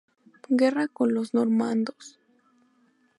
Guerra con los normandos.